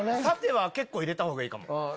「さて」は結構入れたほうがいい。